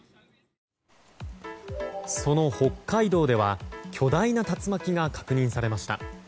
その北海道では巨大な竜巻が確認されました。